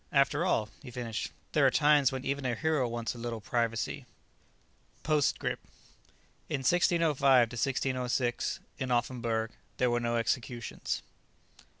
After all," he finished, "there are times when even a hero wants a little privacy." Postscript: _In 1605 1606 (in Offenburg) there were no executions....